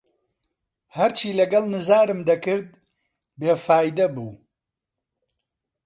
هەرچی لەگەڵ نزارم دەکرد، بێفایدە بوو